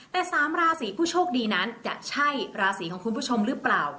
แต่๓ราศีผู้โชคดีนั้นจะใช่ราศีของคุณผู้ชมหรือเปล่า